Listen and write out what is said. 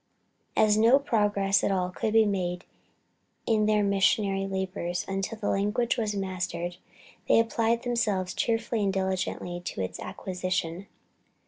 As no progress at all could be made in their missionary labors until the language was mastered, they applied themselves cheerfully and diligently to its acquisition.